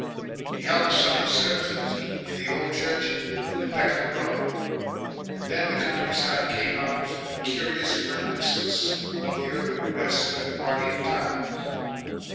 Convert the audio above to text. He held his Sunday services in the old church in the Beckenham Road, and then the countryside came out in a curious reminiscence of the urban dress of Edwardian times.